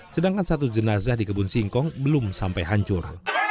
sedangkan satu jenazah di kebun singkong belum sampai hancur